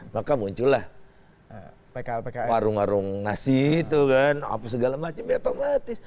maka muncullah warung warung nasi itu kan apa segala macam ya otomatis